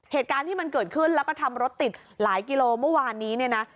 เหตุการณ์ที่มันเกิดขึ้นแล้วก็ทำรถติดหลายกิโลเมื่อวานนี้เนี่ยนะ